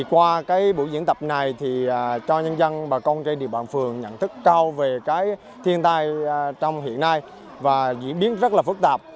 qua buổi diễn tập này cho nhân dân và công chế địa bàn phường nhận thức cao về thiên tai trong hiện nay và diễn biến rất phức tạp